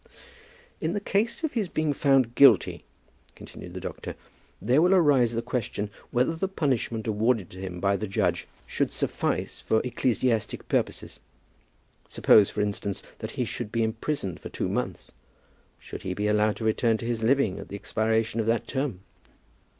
"In the case of his being found guilty," continued the doctor, "there will arise the question whether the punishment awarded to him by the judge should suffice for ecclesiastical purposes. Suppose, for instance, that he should be imprisoned for two months, should he be allowed to return to his living at the expiration of that term?"